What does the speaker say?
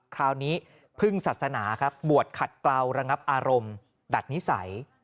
คราวนี้พึ่งศาสนาครับบวชขัดเกลาระงับอารมณ์ดัดนิสัย